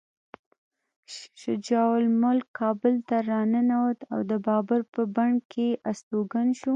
شجاع الملک کابل ته راننوت او د بابر په بڼ کې استوګن شو.